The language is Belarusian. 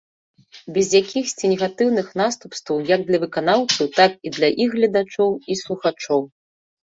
Без якіхсьці негатыўных наступстваў як для выканаўцаў, так і для іх гледачоў і слухачоў.